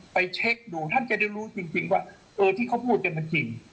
เช็คดูท่านจะได้รู้จริงว่าเออที่เขาพูดกันมันจริง